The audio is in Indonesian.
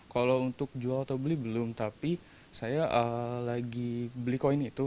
kalau untuk jual atau beli belum tapi saya lagi beli koin itu